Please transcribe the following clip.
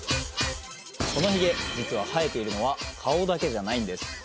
このヒゲ実は生えているのは顔だけじゃないんです。